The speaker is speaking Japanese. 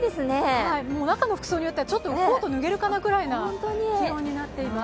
中の服装によってはコートを脱げるぐらいの気温になっています。